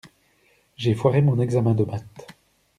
J'ai foiré mon examen de maths.